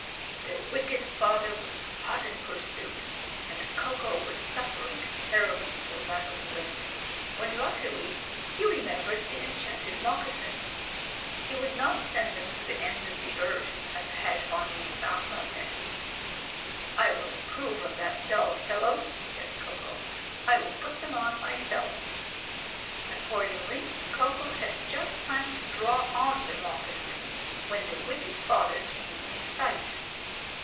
The wicked father was hot in pursuit and Ko ko was suffering terribly for lack of wind, when luckily he remembered the enchanted moccasins. He would not send them to the end of the earth, as had Onwee Bahmondang. "I will improve on that dull fellow," said Ko ko. "I will put them on myself." Accordingly, Ko ko had just time to draw on the moccasins when the wicked father came in sight.